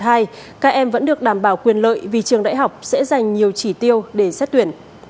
các em vẫn được đảm bảo quyền lợi vì trường đại học sẽ dành nhiều chỉ tiêu để xét tuyển